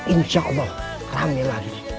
insya allah rame lagi